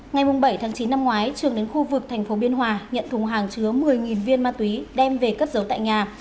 ngày bảy chín năm ngoái trường đến khu vực tp biên hòa nhận thùng hàng chứa một mươi viên ma túy đem về cất giấu tại nhà